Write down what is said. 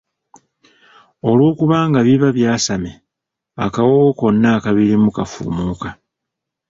Olw’okuba nga biba by'asame akawoowo konna akabirimu kafuumuuka.